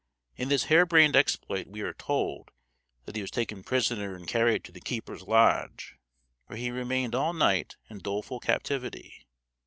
In this harebrained exploit we are told that he was taken prisoner and carried to the keeper's lodge, where he remained all night in doleful captivity.